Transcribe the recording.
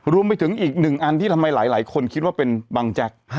รวมไปถึงอีกหนึ่งอันที่ทำไมหลายคนคิดว่าเป็นบังแจ๊ก